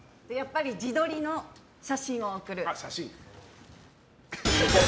自撮りの写真を送る。